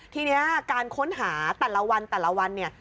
ทีนี้การค้นหาแต่ละวันเนี่ย